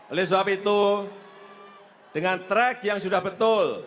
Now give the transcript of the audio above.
oleh sebab itu dengan track yang sudah betul